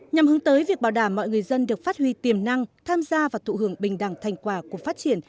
nhằm hướng tới việc bảo đảm mọi người dân được phát huy tiềm năng tham gia và thụ hưởng bình đẳng thành quả của phát triển